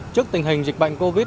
trước tình hình dịch bệnh covid